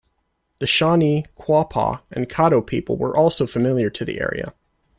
The Shawnee, Quapaw, and Caddo people were also familiar to the area.